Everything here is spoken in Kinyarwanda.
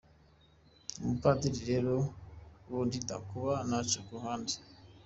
Ubupadiri rero bundinda kuba naca ku ruhande.